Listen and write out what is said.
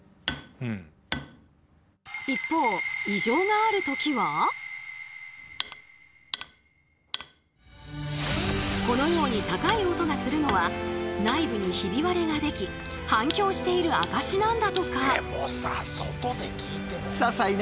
一方このように高い音がするのは内部にヒビ割れができ反響している証しなんだとか。